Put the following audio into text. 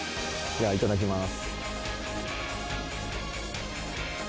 じゃあいただきます